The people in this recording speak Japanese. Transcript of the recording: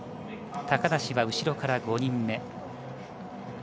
高梨は後ろから５人目。